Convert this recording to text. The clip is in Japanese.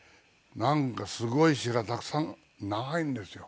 なんかすごい詞がたくさん長いんですよ。